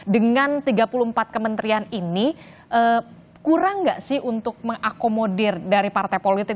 dengan tiga puluh empat kementerian ini kurang nggak sih untuk mengakomodir dari partai politik